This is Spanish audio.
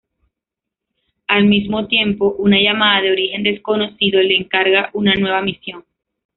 Al mismo tiempo, una llamada de origen desconocido le encarga una nueva misión.